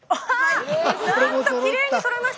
なんときれいにそろいました！